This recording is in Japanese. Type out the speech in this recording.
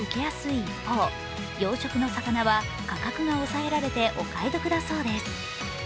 一方、養殖の魚は価格が抑えられてお買い得だそうです。